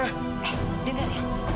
eh dengar ya